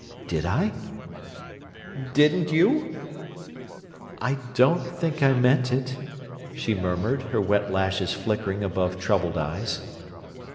"Did I?" "Didn't you?" "I don't think I meant it," she murmured, her wet lashes flickering above troubled eyes.